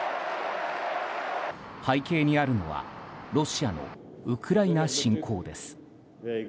背景にあるのはロシアのウクライナ侵攻です。